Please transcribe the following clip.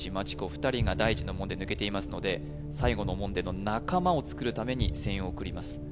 ２人が第一の門で抜けていますので最後の門での仲間をつくるために声援を送ります